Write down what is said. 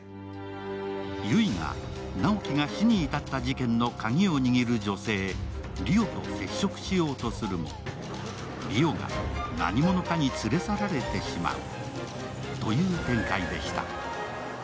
悠依が直木が死に至った事件のカギを握る女性、莉桜と接触しようとするも莉桜が何者かに連れ去られてしまうという展開でした。